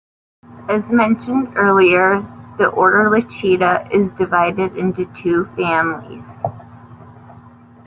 As mentioned earlier, the order Lichida is divided into two families.